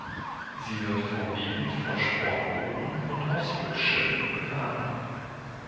Sie wird vorwiegend von Sportbooten und Ausflugsschiffen befahren.